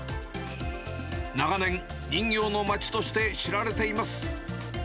長年、人形の町として知られています。